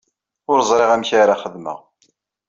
Ur ẓriɣ amek ara xedmeɣ.